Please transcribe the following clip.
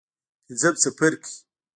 پنځم څپرکی.